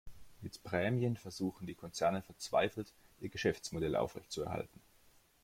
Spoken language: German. Mit Prämien versuchen die Konzerne verzweifelt, ihr Geschäftsmodell aufrechtzuerhalten.